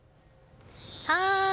はい！